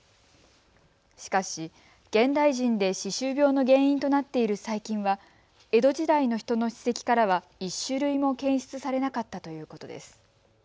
しかし現代人で歯周病の原因となっている細菌は江戸時代の人の歯石からは１種類も検出されなかったということです。